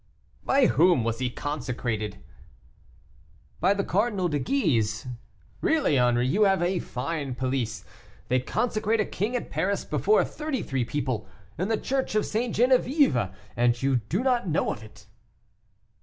"By whom was he consecrated?" "By the Cardinal de Guise. Really, Henri, you have a fine police. They consecrate a king at Paris before thirty three people, in the church of St. Genevieve, and you do not know of it!"